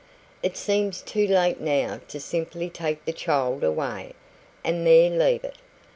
It seems too late now to simply take the child away, and there leave it.